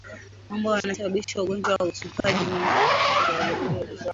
Mambo yanayosababisha ugonjwa wa utupaji mimba